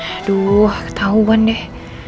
aduh ketahuan deh